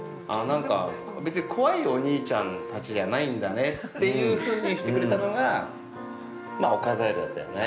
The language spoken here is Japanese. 別に怖いお兄ちゃんたちじゃないんだねっていうふうにしてくれたのがオカザイルだったよね。